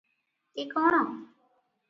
ଏ କଣ?